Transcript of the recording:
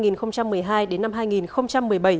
từ năm hai nghìn một mươi hai đến năm hai nghìn một mươi bảy